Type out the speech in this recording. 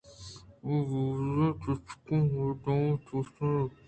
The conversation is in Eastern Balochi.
آبازیں تچگءَ دم توس اَت